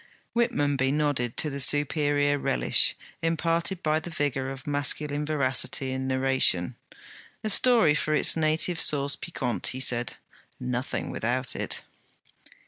Whitmonby nodded to the superior relish imparted by the vigour of masculine veracity in narration. 'A story for its native sauce piquante,' he said. 'Nothing without it!'